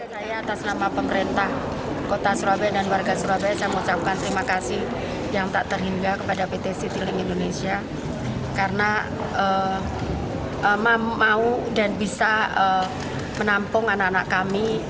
saya atas nama pemerintah kota surabaya dan warga surabaya saya mengucapkan terima kasih yang tak terhingga kepada pt citylink indonesia karena mau dan bisa menampung anak anak kami